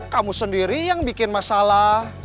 kamu sendiri yang bikin masalah